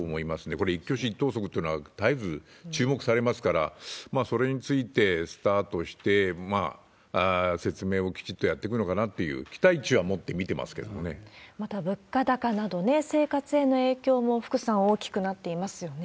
これ、一挙手一投足というのが絶えず注目されますから、それについてスタートして、説明をきちっとやっていくのかなというふうに期待値また、物価高など、生活への影響も、福さん、大きくなっていますよね。